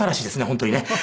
本当にね。